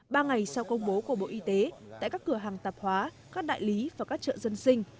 ba ngày sau công bố của bộ y tế tại các cửa hàng tạp hóa các đại lý và các chợ dân sinh